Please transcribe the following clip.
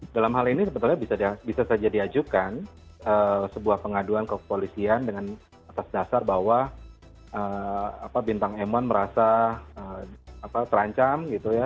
dalam hal ini sebetulnya bisa saja diajukan sebuah pengaduan kepolisian dengan atas dasar bahwa bintang emon merasa terancam gitu ya